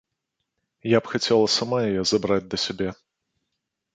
Я б хацела сама яе забраць, да сябе.